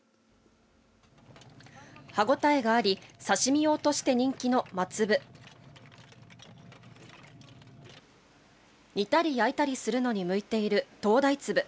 歯応えがあり、刺し身用として人気の真つぶ。煮たり、焼いたりするのに向いている灯台つぶ。